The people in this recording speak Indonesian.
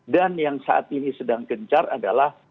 dan yang saat ini sedang gencar adalah